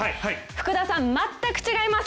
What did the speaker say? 福田さん、全く違います。